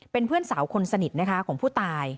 เป็นเพื่อนสาวคนสนิทนะคะของผู้ตาย